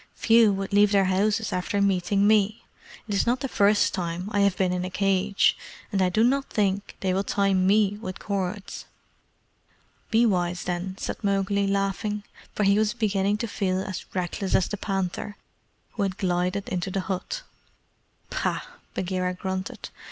Few would leave their houses after meeting me. It is not the first time I have been in a cage; and I do not think they will tie ME with cords." "Be wise, then," said Mowgli, laughing; for he was beginning to feel as reckless as the panther, who had glided into the hut. "Pah!" Bagheera grunted.